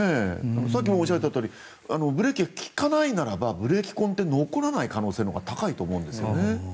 さっきもおっしゃったとおりブレーキが利かないならブレーキ痕が残らない可能性が高いと思うんですね。